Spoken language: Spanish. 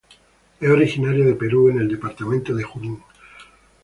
Es originaria de Perú en el Departamento de Junín.